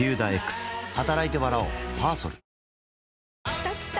きたきた！